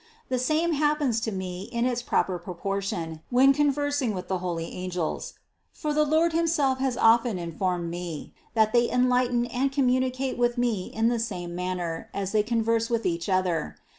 The same happens to me in its proper proportion, when con versing with the holy angels; for the Lord himself has often informed me, that they enlighten and communicate with me in the same manner as they converse with each other.